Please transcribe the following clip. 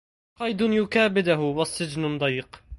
قيد يكابده وسجن ضيق